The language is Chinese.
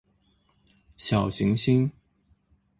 小行星